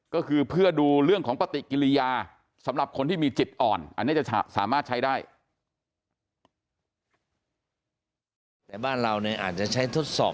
ก็คือเพื่อดูเรื่องของปฏิกิริยาสำหรับคนที่มีจิตอ่อนอันนี้จะสามารถใช้ได้